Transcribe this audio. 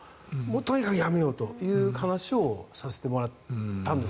とにかくやめようという話をさせてもらったんです